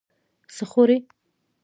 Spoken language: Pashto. څه خوړې؟